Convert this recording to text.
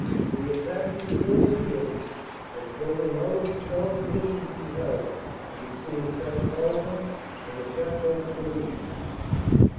We attacked in force again and drove him out of the strong positions he held between St. Saulve and the Chateau Houris.